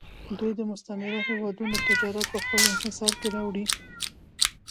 دوی د مستعمره هېوادونو تجارت په خپل انحصار کې راوړی و